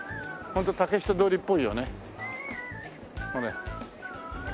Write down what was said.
ホント竹下通りっぽいよねこれ。